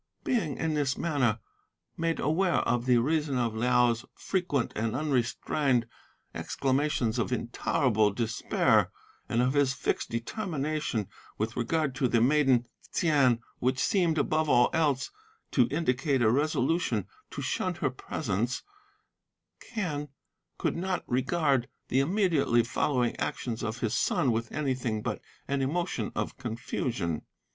"Being in this manner made aware of the reason of Liao's frequent and unrestrained exclamations of intolerable despair, and of his fixed determination with regard to the maiden Ts'ain (which seemed, above all else, to indicate a resolution to shun her presence) Quen could not regard the immediately following actions of his son with anything but an emotion of confusion.